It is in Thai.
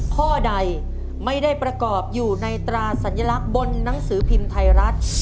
ข้อใดไม่ได้ประกอบอยู่ในตราสัญลักษณ์บนหนังสือพิมพ์ไทยรัฐ